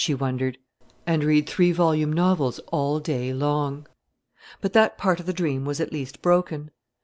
she wondered), and read three volume novels all day long. But that part of the dream was at least broken.